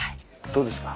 どうですか？